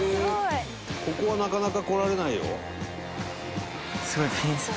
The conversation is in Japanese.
「ここはなかなか来られないよ」